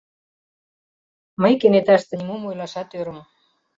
Мый кенеташте нимом ойлашат ӧрым.